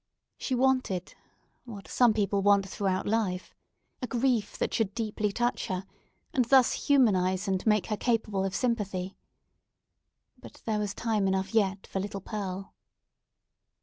She wanted—what some people want throughout life—a grief that should deeply touch her, and thus humanise and make her capable of sympathy. But there was time enough yet for little Pearl.